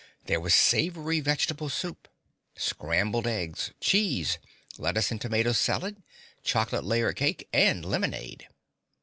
There was savory vegetable soup, scrambled eggs, cheese, lettuce and tomato salad, chocolate layer cake and lemonade.